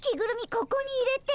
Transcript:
ここに入れて。